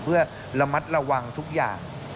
เพื่อระมัดระวังทุกอย่าง